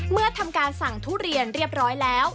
เมื่อทำการสั่งทุเรียนเรียบร้อยแล้ว